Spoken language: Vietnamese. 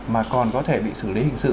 mà còn có thể bị xử lý hình sự